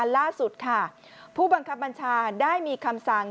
ล่าสุดค่ะผู้บังคับบัญชาได้มีคำสั่ง